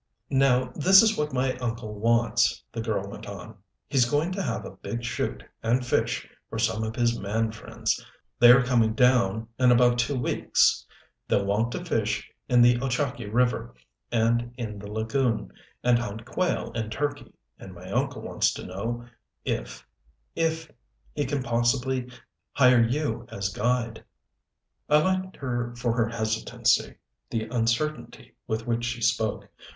"Now this is what my uncle wants," the girl went on. "He's going to have a big shoot and fish for some of his man friends they are coming down in about two weeks. They'll want to fish in the Ochakee River and in the lagoon, and hunt quail and turkey, and my uncle wants to know if if he can possibly hire you as guide." I liked her for her hesitancy, the uncertainty with which she spoke.